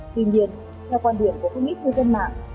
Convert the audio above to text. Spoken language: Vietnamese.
tuy nhiên theo quan điểm của phương ích của dân mạng